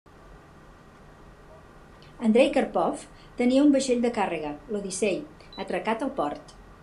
Andrei Karpov tenia un vaixell de càrrega, l' Odyssey, atracat al port.